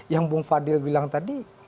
yang bung fadil bilang tadi